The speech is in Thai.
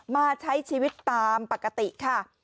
มาใช้ชีวิตตามปกติค่ะ